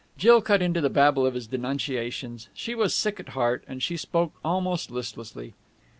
Jill cut into the babble of his denunciations. She was sick at heart, and she spoke almost listlessly.